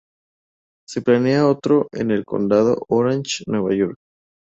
Se planea otro en el Condado Orange, Nueva York.